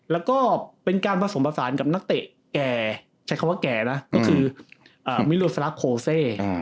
แล้วก็เป็นการผสมผสานกับนักเตะแก่ใช้คำว่าแก่นะก็คือมิโลซาลาโคเซ